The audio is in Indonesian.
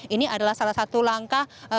ini adalah salah satu langkah